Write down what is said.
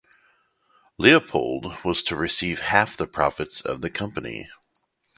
Leopold was to receive half the profits of the company.